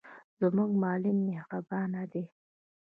زموږ معلم مهربان دی.